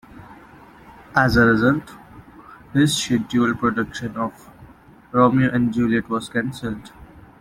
As a result, his scheduled production of "Romeo and Juliet" was cancelled.